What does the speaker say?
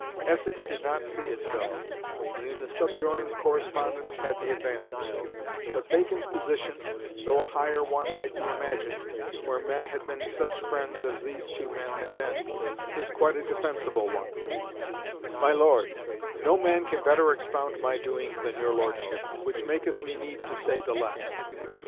Essex did not see it so, and in the subjoined correspondence had the advantage; but Bacon's position, though a higher one might be imagined, where men had been such friends as these two men had been, is quite a defensible one: "MY LORD, No man can better expound my doings than your Lordship, which maketh me need to say the less.